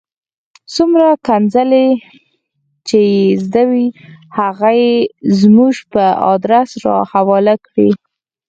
څومره ښکنځلې چې یې زده وې هغه یې زموږ په آدرس را حواله کړې.